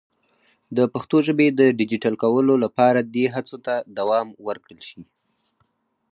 د پښتو ژبې د ډیجیټل کولو لپاره دې هڅو ته دوام ورکړل شي.